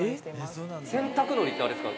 洗濯のりってあれですか？